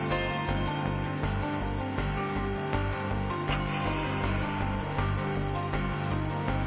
あっ！